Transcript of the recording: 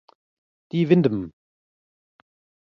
Die Windm